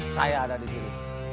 saya ada di sini